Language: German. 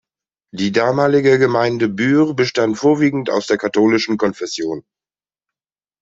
Die damalige Gemeinde Buer bestand vorwiegend aus der katholischen Konfession.